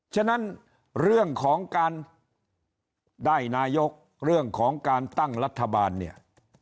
ฉะนั้นเรื่องของการได้นายกเรื่องของการตั้งรัฐบาลเนี่ย